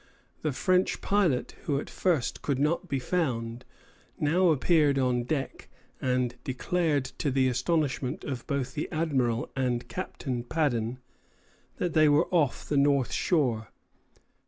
The French pilot, who at first could not be found, now appeared on deck, and declared, to the astonishment of both the Admiral and Captain Paddon, that they were off the north shore.